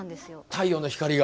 太陽の光が。